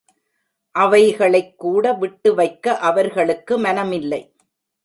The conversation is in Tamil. அவைகளைக்கூட விட்டு வைக்க அவர்களுக்கு மனமில்லை.